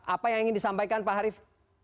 apa yang ingin disampaikan pak harif